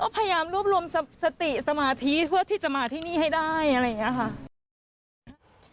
พยายามรวบรวมสติสมาธิเพื่อที่จะมาที่นี่ให้ได้อะไรอย่างนี้ค่ะ